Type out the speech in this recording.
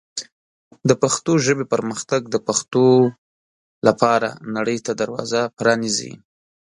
د پښتو ژبې پرمختګ د پښتو لپاره نړۍ ته دروازه پرانیزي.